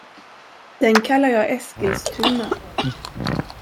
Den kallar jag Eskilstuna.